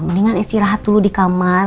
mendingan istirahat dulu di kamar